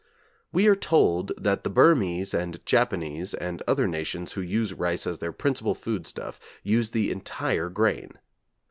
We are told that the Burmese and Japanese and other nations who use rice as their principal food stuff, use the entire grain.